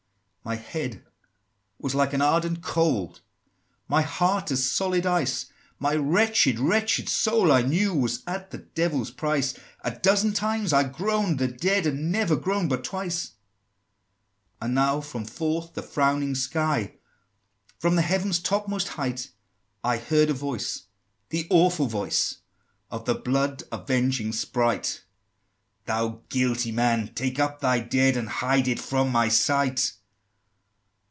XIX. "My head was like an ardent coal, My heart as solid ice: My wretched, wretched soul, I knew, Was at the Devil's price: A dozen times I groan'd the dead Had never groan'd but twice!" XX. And now, from forth the frowning sky, From the Heaven's topmost height, I heard a voice the awful voice Of the blood avenging Sprite: "Thou guilty man! take up thy dead And hide it from my sight!"